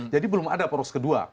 jadi belum ada poros kedua